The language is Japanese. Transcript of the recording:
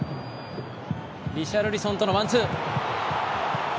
リシャルリソンとのワンツー。